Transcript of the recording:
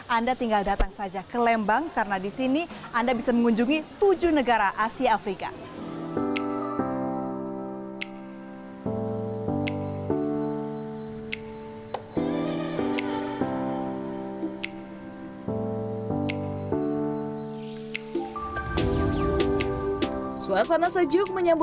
anda tinggal datang saja ke lembang karena di sini anda bisa mengunjungi tujuh negara asia afrika